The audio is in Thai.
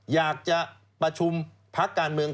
อยากจะประชุมพักการเมือง